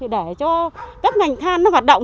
để cho các ngành than nó hoạt động